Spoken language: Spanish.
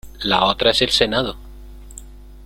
La otra es el Senado.